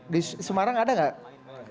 di semarang ada gak